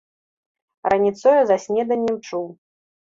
Раніцою за снеданнем чуў.